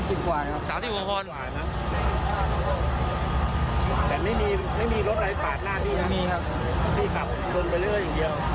ไม่มีรถอะไรกละหน้านี่ปรากฏด้วยอย่างเดียว